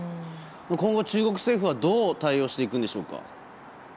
今後、中国政府はどう対応していくんでしょうか。